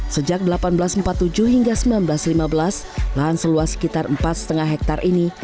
sejak seribu delapan ratus empat puluh tujuh hingga seribu sembilan ratus lima belas lahan seluas sekitar empat lima hektare ini